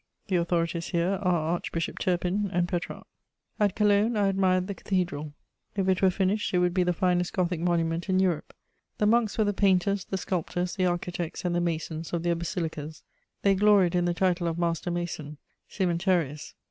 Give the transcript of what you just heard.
The authorities here are Archbishop Turpin and Petrarch. At Cologne I admired the cathedral: if it were finished, it would be the finest Gothic monument in Europe. The monks were the painters, the sculptors, the architects, and the masons of their basilicas; they gloried in the title of master mason, _cœmentarius.